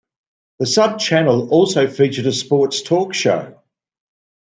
The subchannel also featured a sports talk show.